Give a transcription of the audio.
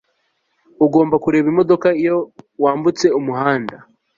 Ugomba kureba imodoka iyo wambutse umuhanda